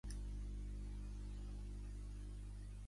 I Edinburgh Evening News diu, amb pessimisme editorial.